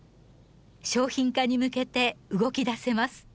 商品化に向けて動き出せます。